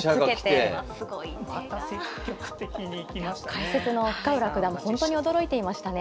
解説の深浦九段もほんとに驚いていましたね。